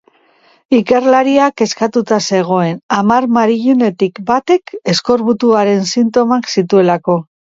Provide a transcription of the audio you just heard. Ikerlaria kezkatuta zegoen hamar marineletik batek eskorbutuaren sintomak zituelako.